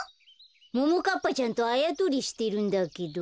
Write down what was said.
ももかっぱちゃんとあやとりしてるんだけど。